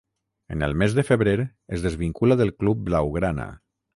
En el mes de febrer es desvincula del club blaugrana.